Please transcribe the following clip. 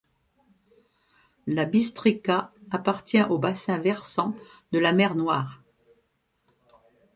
La Bistrica appartient au bassin versant de la mer Noire.